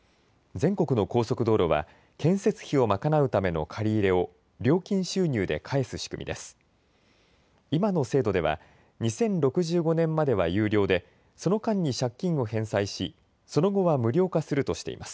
全国の高速道路は建設費を賄うための借り入れを料金収入で返す仕組みです。